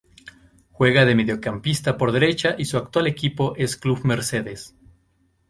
Juega de mediocampista por derecha y su actual equipo es Club Mercedes.